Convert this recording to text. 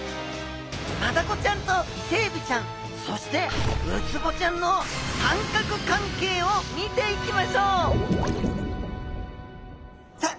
マダコちゃんとイセエビちゃんそしてウツボちゃんの三角関係を見ていきましょうさあ